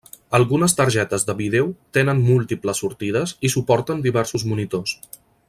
Algunes targetes de vídeo tenen múltiples sortides i suporten diversos monitors.